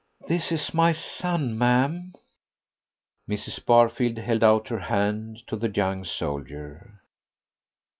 "This is my son, ma'am." Mrs. Barfield held out her hand to the young soldier.